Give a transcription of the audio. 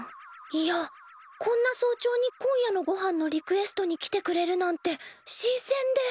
いやこんな早朝に今夜のごはんのリクエストに来てくれるなんてしんせんで。